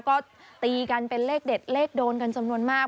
ก็ตีกันเป็นเลขเด็ดเลขโดนกันจำนวนมาก